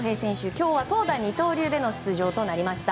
今日は投打二刀流での出場となりました。